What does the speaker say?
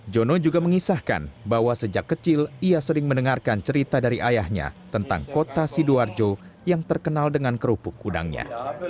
jono juga mengisahkan bahwa sejak kecil ia sering mendengarkan cerita dari ayahnya tentang kota sidoarjo yang terkenal dengan kerupuk kudangnya